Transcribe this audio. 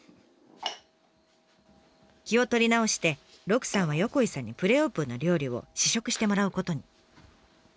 気を取り直して鹿さんは横井さんにプレオープンの料理を試食してもらうことに。